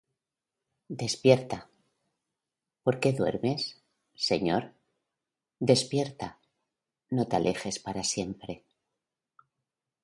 Despierta; ¿por qué duermes, Señor? Despierta, no te alejes para siempre.